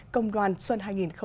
công đoàn xuân hai nghìn hai mươi bốn